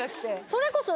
それこそ。